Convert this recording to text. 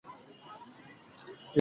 কালই কলিকাতায় গিয়া প্রস্তুত হইয়া আসিব।